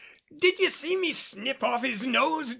Did ye see me snip off his nose?